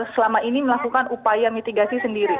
selama ini melakukan upaya mitigasi sendiri